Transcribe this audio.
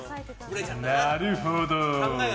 なるほど。